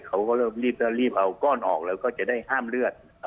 เขาก็เริ่มรีบเอาก้อนออกแล้วก็จะได้ห้ามเลือด